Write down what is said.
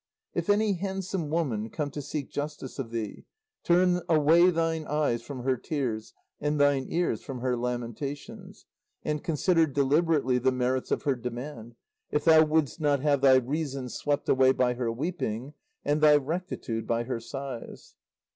"If any handsome woman come to seek justice of thee, turn away thine eyes from her tears and thine ears from her lamentations, and consider deliberately the merits of her demand, if thou wouldst not have thy reason swept away by her weeping, and thy rectitude by her sighs.